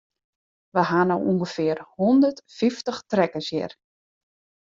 We ha no ûngefear hondert fyftich trekkers hjir.